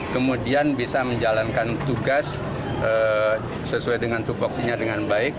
kemudian bisa menjalankan tugas sesuai dengan tupoksinya dengan baik